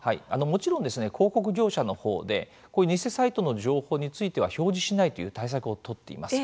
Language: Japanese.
もちろん広告業者のほうで偽サイトの情報については表示しないという対策を取っています。